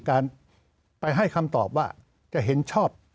การไปให้คำตอบว่าจะเห็นชอบ